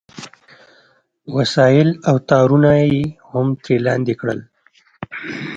وسایل او تارونه یې هم ترې لاندې کړل